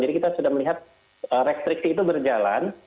jadi kita sudah melihat restriksi itu berjalan